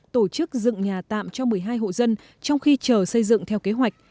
tổ chức dựng nhà tạm cho một mươi hai hộ dân trong khi chờ xây dựng theo kế hoạch